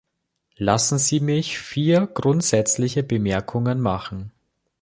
Lassen Sie mich vier grundsätzliche Bemerkungen machen.